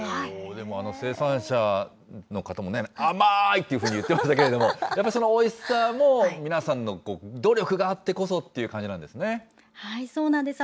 でも生産者の方もね、甘ーい！というふうに言ってましたけど、やっぱりそのおいしさも、皆さんの努力があってこそっていう感じそうなんです。